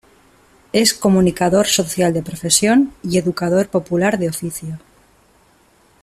Es comunicador social de profesión y educador popular de oficio.